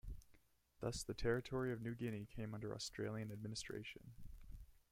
Thus, the Territory of New Guinea came under Australian administration.